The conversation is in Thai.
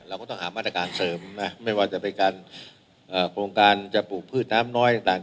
เราก็ต้องหามาตรการเสริมนะไม่ว่าจะเป็นการโครงการจะปลูกพืชน้ำน้อยต่าง